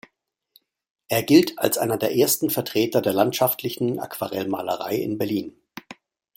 Er gilt als einer der ersten Vertreter der landschaftlichen Aquarellmalerei in Berlin.